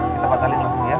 kita patahin langsung ya